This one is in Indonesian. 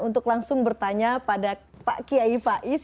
untuk langsung bertanya pada pak kiai faiz